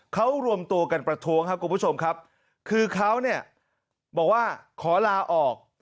เขารวมตัวกันประท้วงครับคุณผู้ชมครับคือเขาเนี่ยบอกว่าขอลาออก